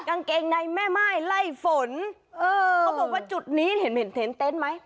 กางเกงในแม่ม่ายไล่ฝนเออเขาบอกว่าจุดนี้เห็นเห็นเต็นเต็นต์ไหม